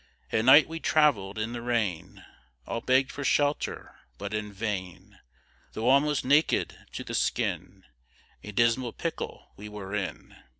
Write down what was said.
At night we travell'd in the rain, All begg'd for shelter, but in vain, Though almost naked to the skin; A dismal pickle we were in.